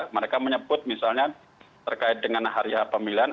mereka menyebut misalnya terkait dengan hari hari pemilihan